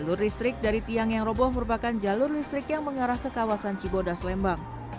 jalur listrik dari tiang yang roboh merupakan jalur listrik yang mengarah ke kawasan cibodas lembang